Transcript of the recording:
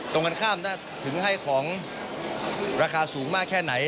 ตรงกันข้ามถึงให้ของราคาสูงมากแค่ไหน